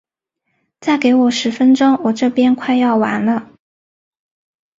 再给我十分钟，我这边快要完了。